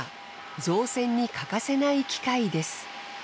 造船に欠かせない機械です。